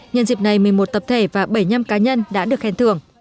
nhân dịp này một mươi một tập thể và bảy mươi năm cá nhân đã được khen thưởng